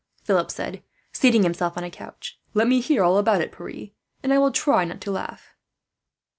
Philip said, seating himself on a couch. "Let me hear all about it, Pierre, and I will try not to laugh."